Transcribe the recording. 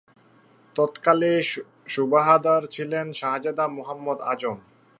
তৎকালে সুবাহদার ছিলেন শাহজাদা মুহম্মদ আজম।